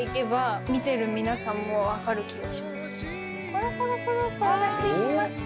コロコロコロ転がして行きます。